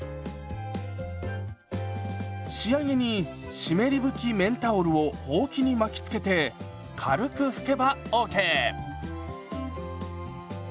仕上げに湿り拭き綿タオルをほうきに巻きつけて軽く拭けばＯＫ！